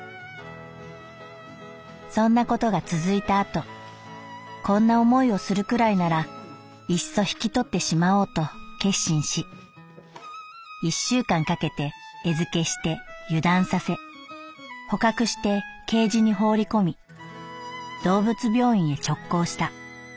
「そんなことが続いた後こんな思いをするくらいならいっそ引き取ってしまおうと決心し一週間かけて餌付けして油断させ捕獲してケージに放り込み動物病院へ直行した」。